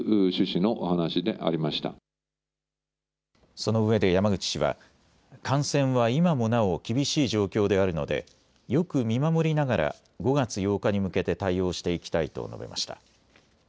そのうえで山口氏は感染は今もなお厳しい状況であるのでよく見守りながら５月８日に向けて対応していきたいと述べました。